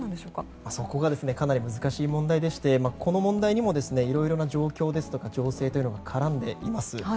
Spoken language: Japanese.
そこがかなり難しい問題でしてこの問題にもいろんな状況、情勢が絡んでいます。